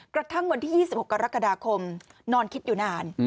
กระทั่งวันที่๒๖กรกฎาคมนอนคิดอยู่นาน